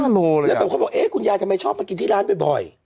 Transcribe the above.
ห้าโลเลยครับแล้วแบบเขาบอกเอ๊คุณยาทำไมชอบมากินที่ร้านใหม่บ่อย